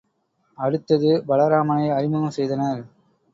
அடுத்தது பலராமனை அறிமுகம் செய்தனர்.